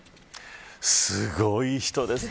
すごい人ですね。